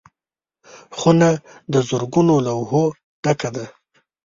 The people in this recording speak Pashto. خونه د زرګونو لوحو ډکه ده.